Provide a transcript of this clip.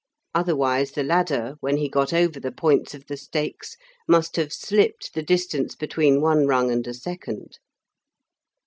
Otherwise the ladder, when he got over the points of the stakes, must have slipped the distance between one rung and a second.